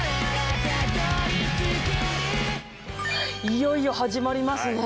いよいよ始まりますね。